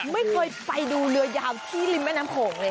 ไม่เคยไปดูเรือยาวที่ริมแม่น้ำโขงเลย